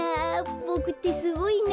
ボクってすごいな。